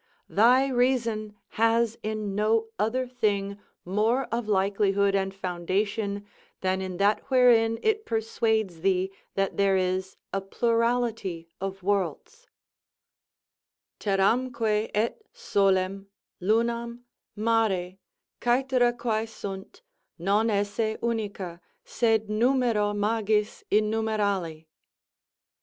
Thy reason has in no other thing more of likelihood and foundation than in that wherein it persuades thee that there is a plurality of worlds: Terramque et solem, lunam, mare, estera quo rant, Non esse unica, sed numéro magis innumerali.